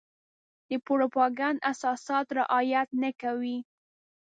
د پروپاګنډ اساسات رعايت نه کوي.